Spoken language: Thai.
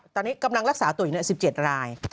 ตอนนี้กำลังรักษาตัวอยู่๑๗ราย